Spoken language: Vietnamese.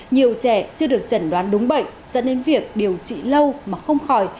nhiều trẻ chưa được chẩn đoán đúng bệnh dẫn đến việc điều trị lâu mà không khỏi